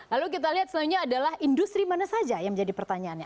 lalu kita lihat selanjutnya adalah industri mana saja yang menjadi pertanyaannya